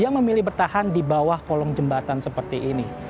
yang memilih bertahan di bawah kolong jembatan seperti ini